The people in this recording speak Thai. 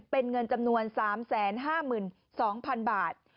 เป็นเงินจำนวน๓๕๒๐๐๐บาท